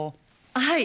はい。